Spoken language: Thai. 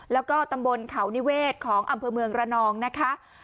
แล้วก็ตำบลเขานิเวศของอำเภอเมืองระนองนะคะ